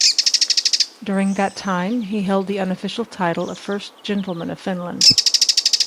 During that time, he held the unofficial title of First Gentleman of Finland.